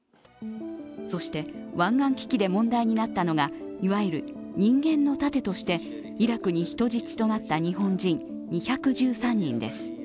そして、湾岸危機で問題になったのがいわゆる人間の盾としてイラクに人質となった日本人２１３人です。